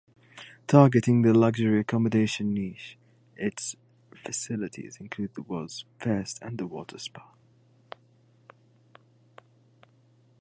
Targeting the luxury accommodation niche, its facilities include the world's first underwater spa.